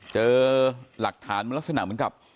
เจอหลักฐานมันลักษณะเหมือนกับ